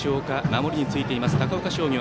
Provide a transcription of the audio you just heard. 守りについています、高岡商業。